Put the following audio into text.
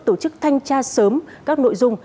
tổ chức thanh tra sớm các nội dung